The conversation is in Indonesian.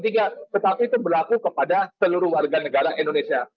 tetapi itu berlaku kepada seluruh warga negara indonesia